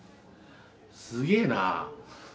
すげえなあ。